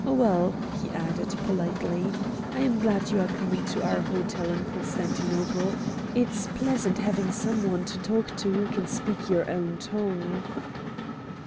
Well," he added, politely, "I'm glad you are coming to our hotel in Constantinople; it's pleasant having some one to talk to who can speak your own tongue."